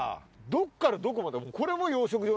どっからどこまで？